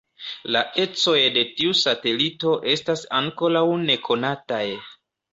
La ecoj de tiu satelito estas ankoraŭ nekonataj.